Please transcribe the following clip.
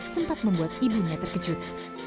sempat membuat ibunya terkejut